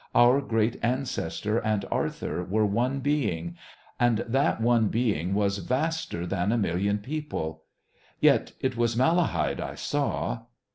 Our great ancestor and Arthur were one being, and that one being was vaster than a million people. Yet it was Malahide I saw....